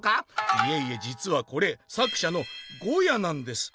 「いえいえじつはこれ作者のゴヤなんです。